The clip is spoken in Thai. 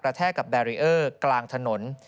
แทกกับแบรีเออร์กลางถนน